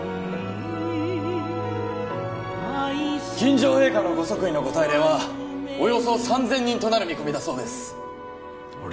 今上陛下のご即位のご大礼はおよそ３０００人となる見込みだそうですほれ